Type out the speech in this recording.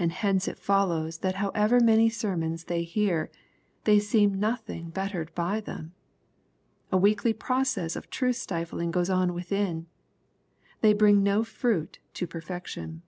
And hence it follows that however ipany sermons they hear, they seem nothing bettered by them. A weekly process of truth stifling goes on within. They bripg po fruit to perfection.